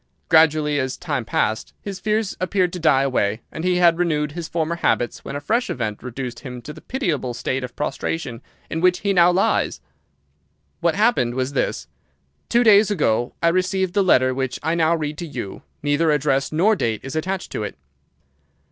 Gradually, as time passed, his fears appeared to die away, and he had renewed his former habits, when a fresh event reduced him to the pitiable state of prostration in which he now lies. "What happened was this. Two days ago I received the letter which I now read to you. Neither address nor date is attached to it.